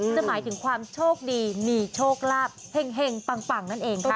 หมายถึงความโชคดีมีโชคลาภเห็งปังนั่นเองค่ะ